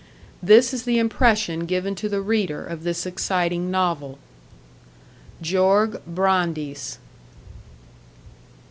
This is the impression given to the reader of this exciting novel. GEORG BRANDES.